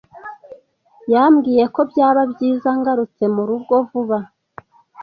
Yambwiye ko byaba byiza ngarutse mu rugo vuba.